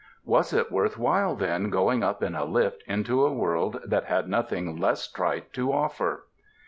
Was it worth while then going up in a lift into a world that had nothing less trite to offer?